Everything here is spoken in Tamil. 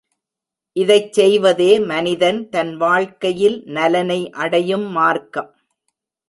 இதைச் செய்வதே மனிதன் தன் வாழ்க்கையில் நலனை அடையும் மார்க்கம்.